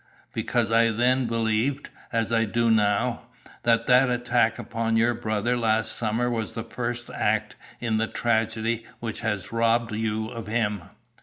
"Because I then believed, as I do now, that that attack upon your brother last summer was the first act in the tragedy which has robbed you of him.